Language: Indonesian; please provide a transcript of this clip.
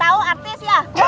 tau artis ya